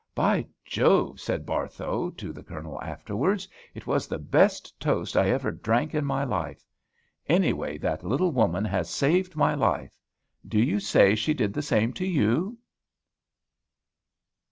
"By Jove!" said Barthow to the Colonel, afterwards, "It was the best toast I ever drank in my life. Anyway, that little woman has saved my life. Do you say she did the same to you?"